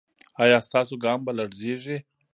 ایا ستاسو ګام به لړزیږي؟